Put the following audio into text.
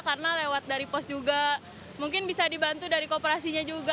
karena lewat dari pos juga mungkin bisa dibantu dari kooperasinya juga